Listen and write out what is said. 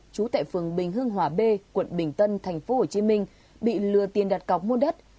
chú tệ phường bình hương hòa b quận bình tân tp hcm bị lừa tiền đặt cọc muôn đất